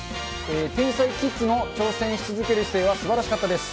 天才キッズの挑戦し続ける姿勢はすばらしかったです。